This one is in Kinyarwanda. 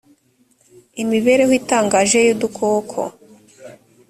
imibereho itangaje y’udukoko